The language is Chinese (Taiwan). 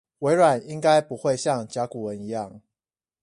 微軟應該不會像甲骨文一樣